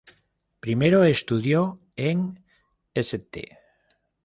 Primero estudió en St.